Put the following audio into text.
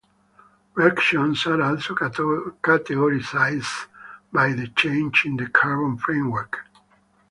Reactions are also categorized by the change in the carbon framework.